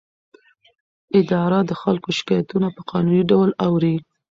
اداره د خلکو شکایتونه په قانوني ډول اوري.